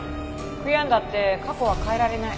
悔やんだって過去は変えられない。